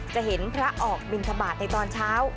จะเห็นพระออกบินทบาทในตอนเช้า